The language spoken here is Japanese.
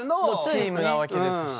チームなわけですし。